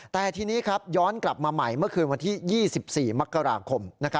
แต่ทีนี้ครับย้อนกลับมาใหม่เมื่อคืนวันที่๒๔มกราคม